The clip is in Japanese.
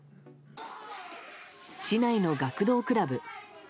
市内の学童クラブ。